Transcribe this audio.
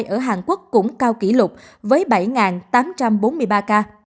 ở hàn quốc cũng cao kỷ lục với bảy tám trăm bốn mươi ba ca